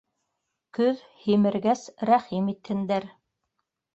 Көҙ, һимергәс, рәхим итһендәр.